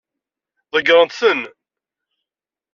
Ḍeggṛent-ten.